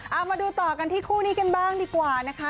เอามาดูต่อกันที่คู่นี้กันบ้างดีกว่านะคะ